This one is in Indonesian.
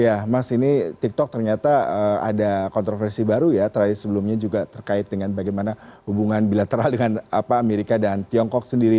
ya mas ini tiktok ternyata ada kontroversi baru ya terakhir sebelumnya juga terkait dengan bagaimana hubungan bilateral dengan amerika dan tiongkok sendiri